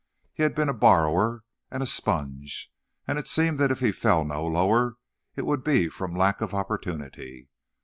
He had been a borrower and a sponge, and it seemed that if he fell no lower it would be from lack of opportunity.